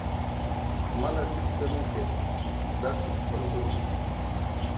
Malar dilk saruu ke, darculum pʰalo saruućuma.